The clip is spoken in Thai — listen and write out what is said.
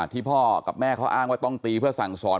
ที่พ่อกับแม่เขาอ้างว่าต้องตีเพื่อสั่งสอน